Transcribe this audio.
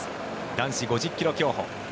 男子５０ｋｍ競歩。